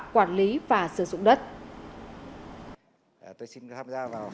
quản lý và sử dụng đất